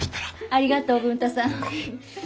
ありがとう文太さん。